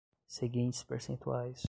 seguintes percentuais